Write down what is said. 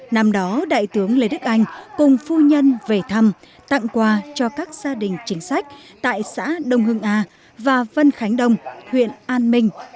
năm đó đại tướng lê đức anh cùng phu nhân về thăm tặng quà cho các gia đình chính sách tại xã đông hưng a và vân khánh đông huyện an minh